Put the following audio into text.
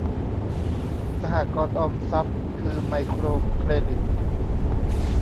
สหกรณ์ออมทรัพย์ คือไมโครเครดิต